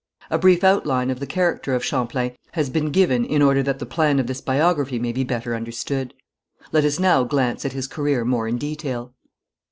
A brief outline of the character of Champlain has been given in order that the plan of this biography may be better understood. Let us now glance at his career more in detail.